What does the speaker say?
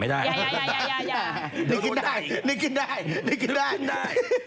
นึกกินได้